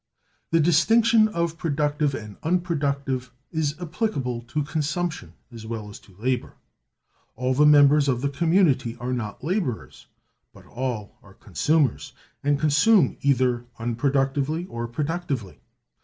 The distinction of Productive and Unproductive is applicable to Consumption as well as to Labor. All the members of the community are not laborers, but all are consumers, and consume either unproductively or productively.